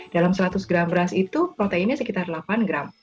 dalam seratus gram beras itu proteinnya sekitar delapan gram